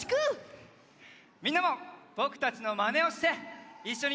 みんなもぼくたちのまねをしていっしょにやってね！